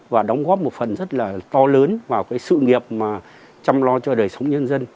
và đóng góp một phần rất là to lớn vào sự nghiệp chăm lo cho đời sống nhân dân